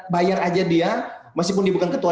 bayar aja dia meskipun dia bukan ketua